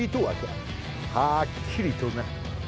はっきりとな。